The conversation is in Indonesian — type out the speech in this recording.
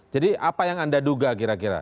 jadi apa yang anda duga kira kira